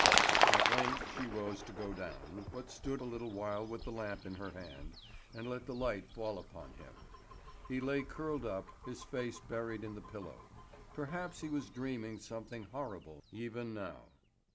At length she rose to go down, but stood for a little while with the lamp in her hand, and let the light fall upon him. He lay curled up, his face buried in the pillow. Perhaps he was dreaming something horrible even now.